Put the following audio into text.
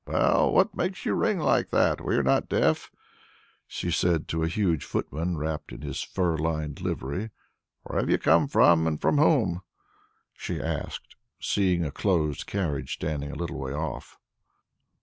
"Well, what makes you ring like that? We are not deaf," she said to a huge footman wrapped in his fur lined livery. "Where have you come from and from whom?" she asked, seeing a closed carriage standing a little way off.